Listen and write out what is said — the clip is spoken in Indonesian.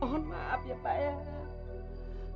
mohon maaf ya pak ya